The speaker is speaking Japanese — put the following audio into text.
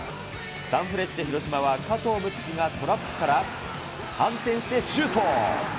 サンフレッチェ広島は加藤陸次樹がトラップから反転してシュート。